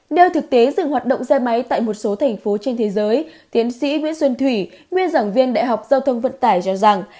nếu thực tế dừng hoạt động xe máy tại một số thành phố trên thế giới tiến sĩ nguyễn xuân thủy nguyên giảng viên đại học giao thông vận tải cho rằng